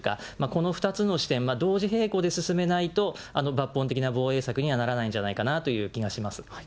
この２つの視点、同時並行で進めないと、抜本的な防衛策にはならないんじゃないかなという気がします。